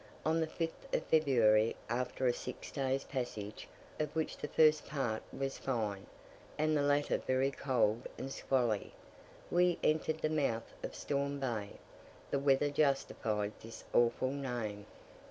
On the 5th of February, after a six days' passage, of which the first part was fine, and the latter very cold and squally, we entered the mouth of Storm Bay: the weather justified this awful name.